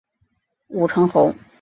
武城侯。